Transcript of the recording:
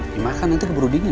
dimakan nanti beru dingin